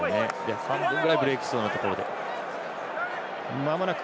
半分ぐらいブレークしそうなところで。